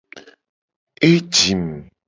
E jim.